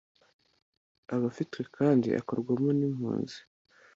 aba afitwe kandi akorwamo n impunzi